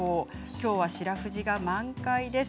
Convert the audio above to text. きょうは白ふじが満開です。